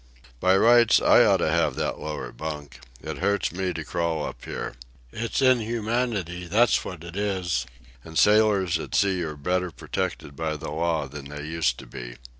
"By rights, I oughta have that lower bunk. It hurts me to crawl up here. It's inhumanity, that's what it is, and sailors at sea are better protected by the law than they used to be.